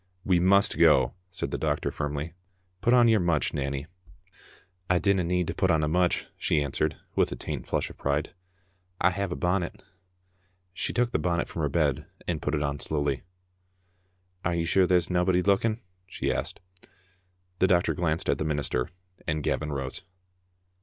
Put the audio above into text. " We must go, " said the doctor firmly. " Put on your mutch, Nanny." " I dinna need to put on a mutch," she answered, with a faint flush of pride. " I have a bonnet. " She took the bonnet from her bed, and put it on slowly. " Are you sure there's naebody looking?" she asked. The doctor glanced at the minister, and Gavin rose.